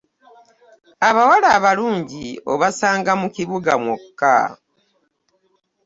Abawala abalungi obasanga mu kibuga mwokka.